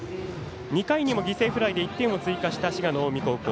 犠牲フライで１点を追加した滋賀、近江高校。